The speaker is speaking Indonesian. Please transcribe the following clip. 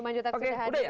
oke udah ya